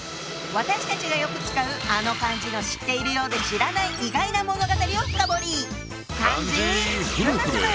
私たちがよく使うあの漢字の知ってるようで知らない意外な物語を深掘り！